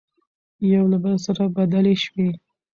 يو له بل سره بدلې شوې،